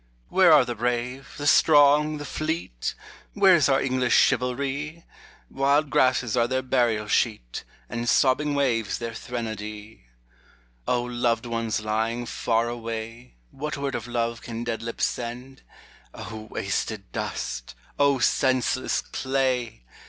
Where are the brave, the strong, the fleet ? Where is our English chivalry ? Wfld grasses are their burial sheet, And sobbing waves their threnody. O loved ones lying far away, What word of love can dead lips send I O wasted dust ! O senseless clay